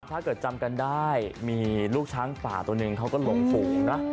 ถ้าเกิดจำกันได้มีลูกช้างป่าตัวหนึ่งเขาก็หลงฝูงนะ